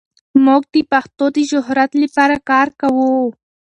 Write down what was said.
موږ د پښتو د شهرت لپاره کار کوو.